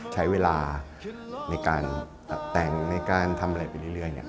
ใช้เวลาในการตัดแต่งในการทำอะไรไปเรื่อย